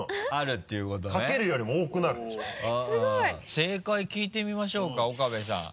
正解聞いてみましょうか岡部さん。